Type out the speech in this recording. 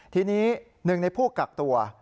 ทีนี้หนึ่งในผู้กักตัว